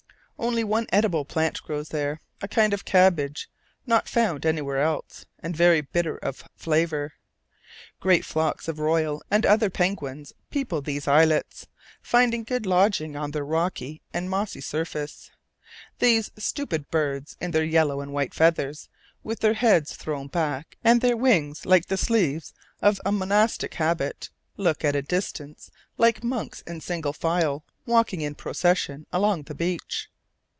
Only one edible plant grows there, a kind of cabbage, not found anywhere else, and very bitter of flavour. Great flocks of royal and other penguins people these islets, finding good lodging on their rocky and mossy surface. These stupid birds, in their yellow and white feathers, with their heads thrown back and their wings like the sleeves of a monastic habit, look, at a distance, like monks in single file walking in procession along the beach.